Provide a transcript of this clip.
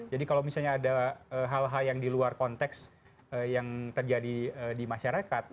jadi kalau misalnya ada hal hal yang di luar konteks yang terjadi di masyarakat